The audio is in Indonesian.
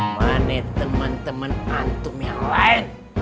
mane temen temen antum yang lain